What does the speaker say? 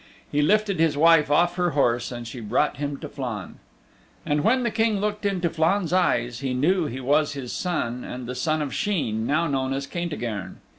He lifted his wife off her horse and she brought him to Flann. And when the King looked into Flann's eyes he knew he was his son and the son of Sheen, now known as Caintigern.